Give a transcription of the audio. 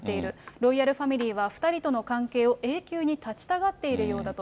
ロイヤルファミリーは、２人との関係を永久に絶ちたがっているようだと。